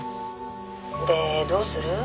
「でどうする？